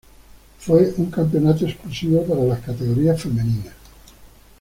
Fue un campeonato exclusivo para las categorías femeninas.